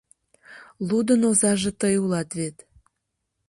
Лудын озаже тый улат вет.